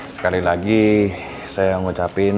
sekali lagi saya mengucapkan